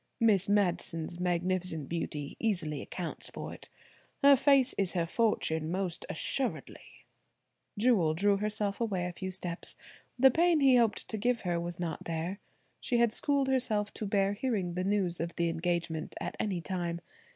Miss Madison's magnificent beauty easily accounts for it. Her face is her fortune, most assuredly." Jewel drew herself away a few steps. The pain he hoped to give her was not there. She had schooled herself to bear hearing the news of the engagement at any time.